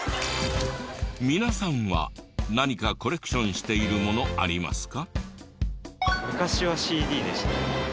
皆さんは何かコレクションしているものありますか？